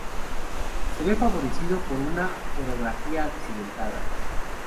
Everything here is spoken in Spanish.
Se ve favorecido por una orografía accidentada.